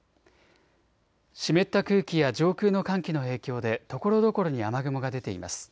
湿った空気や上空の寒気の影響でところどころに雨雲が出ています。